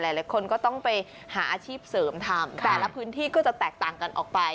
หลายคนก็ต้องไปหาอาชีพเสริมทำแต่ละพื้นที่ก็จะแตกต่างกันออกไป